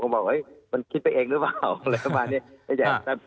ผมคิดว่าเอ็งรึเปล่า